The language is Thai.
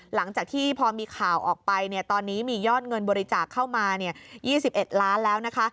หลังจากที่พอมีข่าวออกไปตอนนี้มียอดเงินบริจาคเข้ามา๒๑ล้านแล้วนะคะ